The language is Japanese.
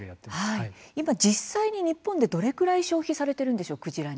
今、実際に日本でどれくらい消費されているんでしょうクジラ